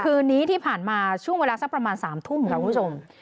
คืนนี้ที่ผ่านมาช่วงเวลาสักประมาณ๓ทุ่มค่ะคุณผู้ชม